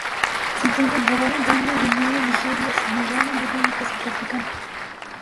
Se encuentra en Gabón, Ghana, Guinea, Nigeria, Senegal y República Centroafricana.